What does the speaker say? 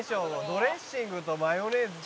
ドレッシングとマヨネーズと」